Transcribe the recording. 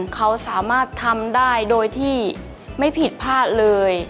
เขาสามารถทำได้โดยที่ไม่ผิดพลาดเลย